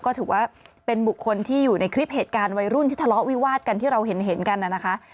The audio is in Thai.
ก็ถือว่าเป็นบุคคลที่อยู่ในคลิปเหตุการณ์วัยรุ่นที่ทะเลาะวิวาดกันที่เราเห็นกันนะคะ